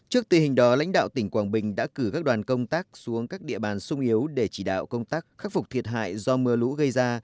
trước tình hình đó lãnh đạo tỉnh quảng bình đã cử các đoàn công tác xuống các địa bàn sung yếu để chỉ đạo công tác khắc phục thiệt hại do mưa lũ gây ra